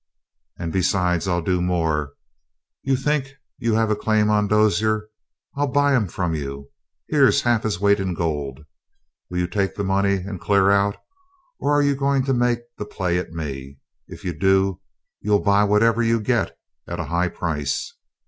"And besides, I'll do more. You think you have a claim on Dozier. I'll buy him from you. Here's half his weight in gold. Will you take the money and clear out? Or are you going to make the play at me? If you do, you'll buy whatever you get at a high price!"